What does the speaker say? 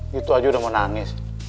gitu aja udah mau nangis